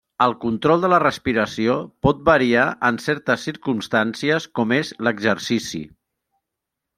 El control de la respiració pot variar en certes circumstàncies com és l'exercici.